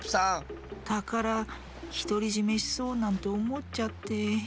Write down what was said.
たからひとりじめしそうなんておもっちゃって。